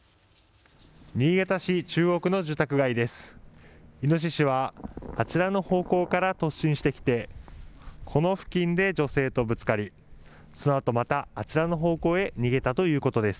新潟市中央区の住宅街です。